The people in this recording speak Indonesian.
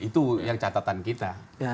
itu yang catatan kita